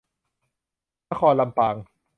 นครลำปาง